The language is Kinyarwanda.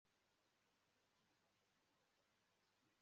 ntabwo yigeze agaragaza ko ashaka gukurikiza amabwiriza yabo